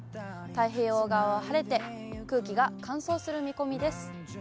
太平洋側は晴れて、空気が乾燥する見込みです。